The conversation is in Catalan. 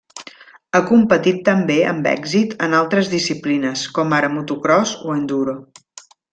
Ha competit també amb èxit en altres disciplines, com ara motocròs o enduro.